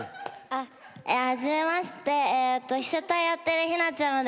あっ初めましてえーと被写体やってるひなちゃむです。